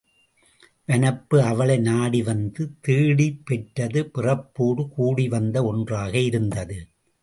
வனப்பு அவளை நாடி வந்து தேடிப் பெற்றது பிறப் போடு கூடி வந்த ஒன்றாக இருந்தது.